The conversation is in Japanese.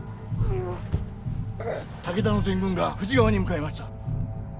武田の全軍が富士川に向かいました。